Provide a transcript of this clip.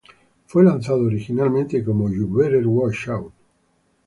Fue lanzado originalmente como You Better Watch Out.